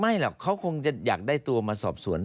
หรอกเขาคงจะอยากได้ตัวมาสอบสวน